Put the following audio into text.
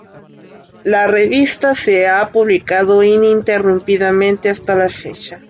La revista se ha publicado ininterrumpidamente hasta la fecha.